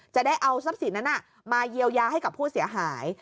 จะได้เอาทรัพย์สินนั้นมาเยียวยาให้กับผู้เสียหาย